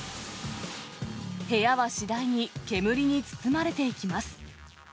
部屋は次第に煙に包まれていきます。